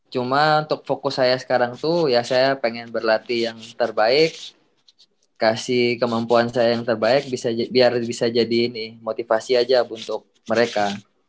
cuma untuk fokus saya sekarang tuh ya saya pengen berlatih yang terbaik kasih kemampuan saya yang terbaik biar bisa jadi ini motivasi aja untuk mereka